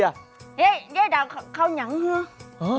เย้เอาเข้าอย่างเหนือ